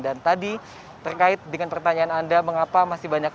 dan tadi terkait dengan pertanyaan anda mengapa masih banyak